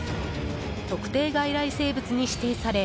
特定外来生物に指定され